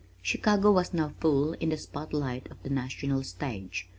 Chicago was now full in the spot light of the National Stage.